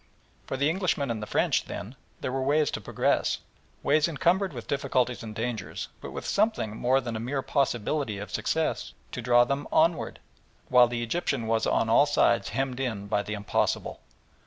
For the Englishman and the French, then, there were ways to progress ways encumbered with difficulties and dangers, but with something more than a mere possibility of success to draw them onward while the Egyptian was on all sides hemmed in by the impossible.